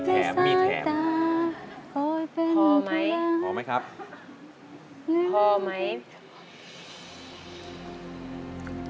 แหน่มีแถมพอมั้ยพอมั้ยครับพอมั้ย